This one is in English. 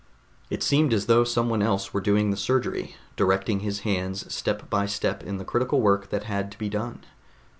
It seemed as though someone else were doing the surgery, directing his hands step by step in the critical work that had to be done.